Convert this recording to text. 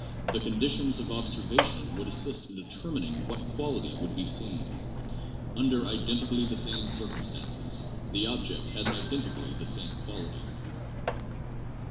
THE METAPHYSICAL STATUS OF SENSATIONS 179 ditions of observation would assist in determining what quality would be seen. Under identically the same circumstances the object has identically the same quality.